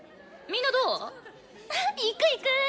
行く行く！